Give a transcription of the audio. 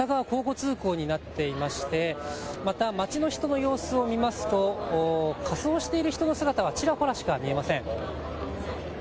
センター街の入り口、片側交互通行になっていて街の人の様子を見ますと仮装している人の姿はちらほらしか見えません。